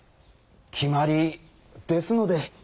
決まりですので。